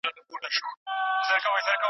تدریسي نصاب په زوره نه تحمیلیږي.